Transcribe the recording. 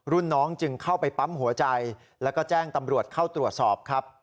รุ่นน้องจึงเข้าไปปั๊มหัวใจแล้วก็แจ้งตำรวจเข้าตรวจสอบครับ